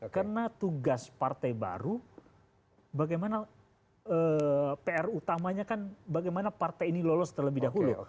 karena tugas partai baru bagaimana pr utamanya kan bagaimana partai ini lolos terlebih dahulu